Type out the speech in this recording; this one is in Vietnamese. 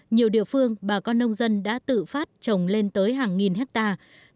nhiều địa phương bà con nông dân đã tự phát trồng lên tới hàng nghìn hectare